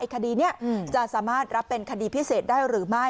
คดีนี้จะสามารถรับเป็นคดีพิเศษได้หรือไม่